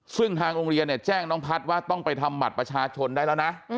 ซึ่งทางโรงเรียนเนี่ยแจ้งน้องพัฒน์ว่าต้องไปทำบัตรประชาชนได้แล้วนะ